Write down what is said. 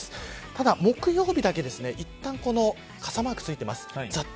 ただ木曜日だけいったんこの傘マークついています。